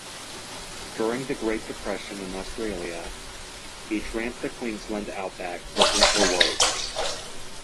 During the Great Depression in Australia he tramped the Queensland outback looking for work.